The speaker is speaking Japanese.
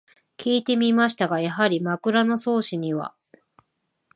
きいてみましたが、やはり「枕草子」には